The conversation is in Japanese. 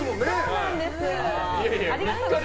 そうなんです！